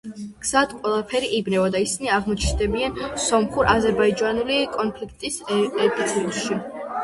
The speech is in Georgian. გზად ყველაფერი იბნევა და ისინი აღმოჩნდებიან სომხურ-აზერბაიჯანული კონფლიქტის ეპიცენტრში.